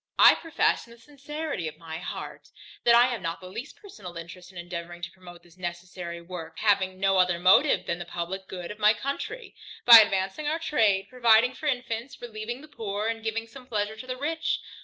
I profess in the sincerity of my heart, that I have not the least personal interest in endeavouring to promote this necessary work, having no other motive than the publick good of my country, by advancing our trade, providing for infants, relieving the poor, and giving some pleasure to the rich.